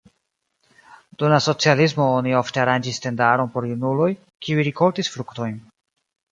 Dum la socialismo oni ofte aranĝis tendaron por junuloj, kiuj rikoltis fruktojn.